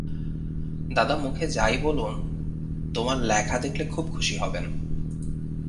দাদা মুখে যাই বলুন, তোমার লেখা দেখলে খুব খুশি হবেন।